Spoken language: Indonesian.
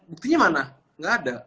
buktinya mana gak ada